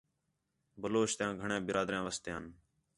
بلوچ تی گھݨیاں برادریاں وسدیاں ہِن